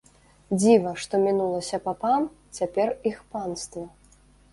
Дзіва, што мінулася папам цяпер іх панства!